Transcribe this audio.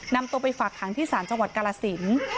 นำตัวไปฝากขังที่ศาลจังหวัดกาลสิน